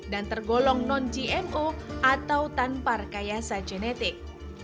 dan tergolong non gmo atau tanpa rekayasa genetik